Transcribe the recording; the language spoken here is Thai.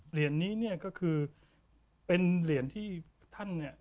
เหรียญนี้เนี่ยก็คือเป็นเหรียญที่ท่านเนี่ย